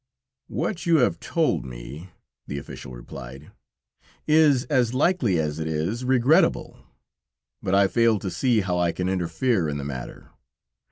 "What you have told me," the official replied, "is as likely as it is regrettable, but I fail to see how I can interfere in the matter.